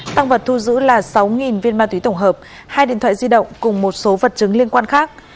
tăng vật thu giữ là sáu viên ma túy tổng hợp hai điện thoại di động cùng một số vật chứng liên quan khác